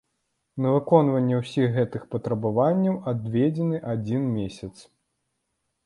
На выкананне ўсіх гэтых патрабаванняў адведзены адзін месяц.